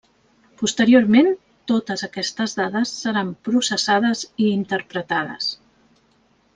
Posteriorment totes aquestes dades seran processades i interpretades.